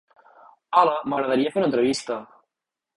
Hola, m'agradaria fer una entrevista.